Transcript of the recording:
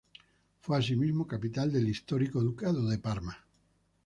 Fue asimismo, capital del histórico Ducado de Parma.